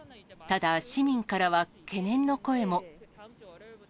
ただ、市民からは懸念の声も。